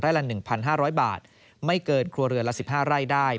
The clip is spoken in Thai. ละ๑๕๐๐บาทไม่เกินครัวเรือนละ๑๕ไร่ได้